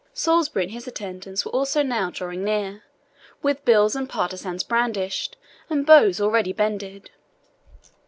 Salisbury and his attendants were also now drawing near, with bills and partisans brandished, and bows already bended.